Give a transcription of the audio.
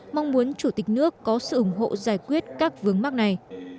mong muốn chủ tịch nước có sự ủng hộ giải quyết các vướng mắt này